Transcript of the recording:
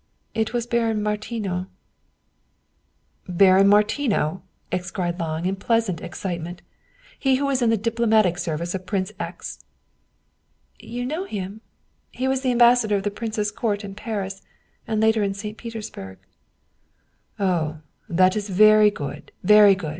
it was Baron Martinow." "Baron Martinow?" cried Lange in pleasant excite ment. " He who was in the diplomatic service of Prince X ?"" You know him? He was the ambassador of the prince's court in Paris, and later in St. Petersburg." " Oh, that is very good, very good